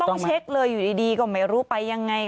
ต้องเช็คเลยอยู่ดีก็ไม่รู้ไปยังไง